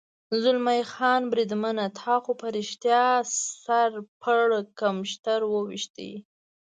زلمی خان: بریدمنه، تا خو په رښتیا سر پړکمشر و وېشت.